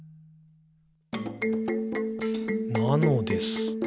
「なのです。」